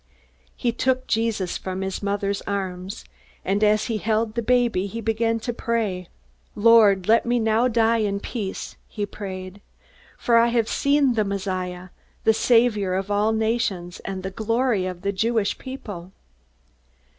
He took Jesus from his mother's arms, and as he held the baby he began to pray. "Lord, let me now die in peace," he prayed. "For I have seen the Messiah, the Saviour of all nations and the glory of the Jewish people."